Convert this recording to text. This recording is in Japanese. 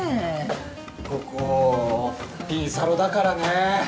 ここピンサロだからね。